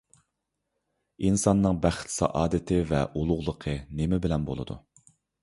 ئىنساننىڭ بەخت-سائادىتى ۋە ئۇلۇغلۇقى نېمە بىلەن بولىدۇ؟